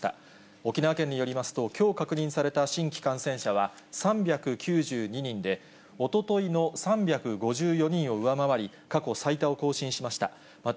沖縄県によりますと、きょう確認された新規感染者は３９２人で、おとといの３５４人を上回り、過去最多を更新しました。